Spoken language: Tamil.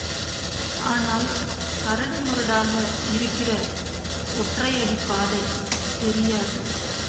ஆனால் கரடு முரடாக இருக்கிற ஒற்றை அடிப்பாதை தெரியாது.